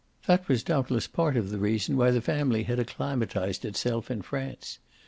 That was doubtless part of the reason why the family had acclimatised itself in France.